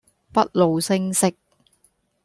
不露聲色